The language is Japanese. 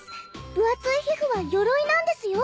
分厚い皮膚はよろいなんですよ。